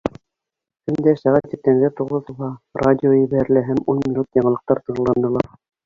Көн дә, сәғәт иртәнге туғыҙ тулһа, радио ебәрелә һәм ун минут яңылыҡтар тыңланыла.